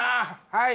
はい！